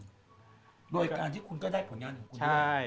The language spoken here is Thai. โดยการที่คุณก็ได้ผลงานของคุณด้วย